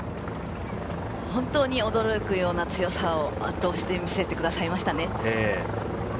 本当に驚くような強さを圧倒して見せてくださいましたね。